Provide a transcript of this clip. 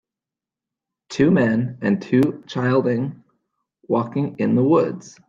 Two men and two childing walking in the woods.